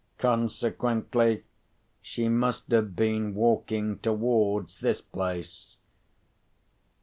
"Consequently, she must have been walking towards this place.